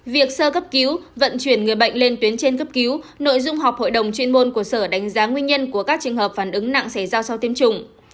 việc sơ cấp cứu vận chuyển người bệnh lên tuyến trên cấp cứu nội dung họp hội đồng chuyên môn của sở đánh giá nguyên nhân của các trường hợp phản ứng nặng xảy ra sau tiêm chủng